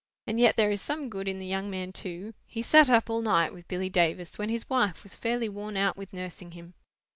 "And yet there is some good in the young man too. He sat up all night with Billy Davis, when his wife was fairly worn out with nursing him."